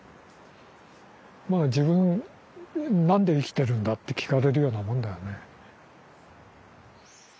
まあ自分何で生きてるんだって聞かれるようなもんだよね。